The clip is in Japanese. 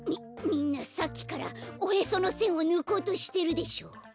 みんなさっきからおへそのせんをぬこうとしてるでしょ！？